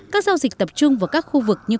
các giao dịch tập trung vào các khu vực như